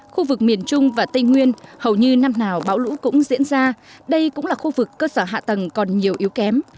khu vực miền trung và tây nguyên hầu như năm nào bão lũ cũng diễn ra đây cũng là khu vực cơ sở hạ tầng còn nhiều yếu kém